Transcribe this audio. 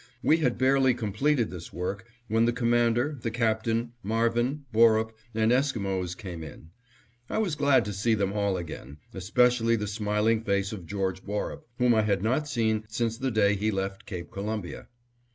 We had barely completed this work when the Commander, the Captain, Marvin, Borup, and Esquimos came in. I was glad to see them all again, especially the smiling face of George Borup, whom I had not seen since the day he left Cape Columbia.